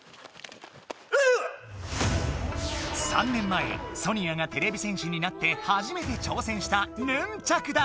３年前ソニアがてれび戦士になってはじめて挑戦したヌンチャクだ！